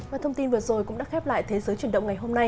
và thông tin vừa rồi cũng đã khép lại thế giới truyền động ngày hôm nay